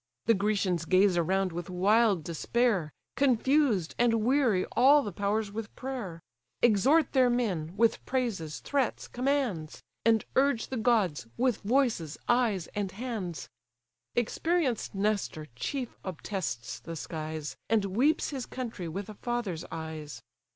The Grecians gaze around with wild despair, Confused, and weary all the powers with prayer: Exhort their men, with praises, threats, commands; And urge the gods, with voices, eyes, and hands. Experienced Nestor chief obtests the skies, And weeps his country with a father's eyes.